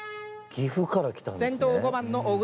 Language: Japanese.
岐阜から来たんですね。